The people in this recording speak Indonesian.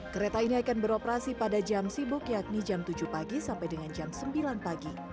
kereta ini akan beroperasi pada jam sibuk yakni jam tujuh pagi sampai dengan jam sembilan pagi